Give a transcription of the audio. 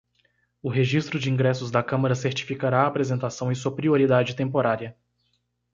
O Registro de ingressos da câmara certificará a apresentação e sua prioridade temporária.